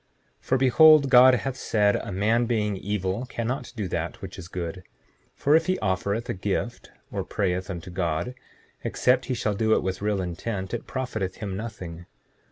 7:6 For behold, God hath said a man being evil cannot do that which is good; for if he offereth a gift, or prayeth unto God, except he shall do it with real intent it profiteth him nothing.